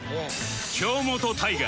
京本大我